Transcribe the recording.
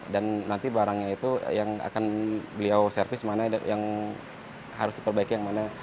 dan nanti barangnya itu yang akan beliau servis mana yang harus diperbaiki yang mana